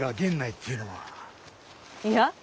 いや。